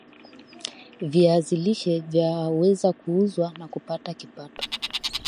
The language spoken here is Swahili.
viazi lishe vyaweza kuuzwa na kupata kipato